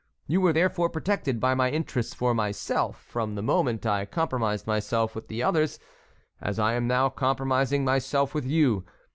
You were therefore protected by my interest for myself from the moment I compromised myself with the others, as I am now compromising myself with you.